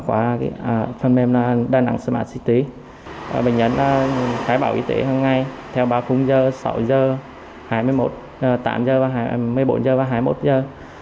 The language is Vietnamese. qua phần mềm đà nẵng smart city bệnh nhân khai bảo y tế hằng ngày theo ba khung giờ sáu giờ hai mươi một giờ tám giờ hai mươi bốn giờ và hai mươi một giờ